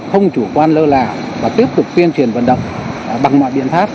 không chủ quan lơ là và tiếp tục tuyên truyền vận động bằng mọi biện pháp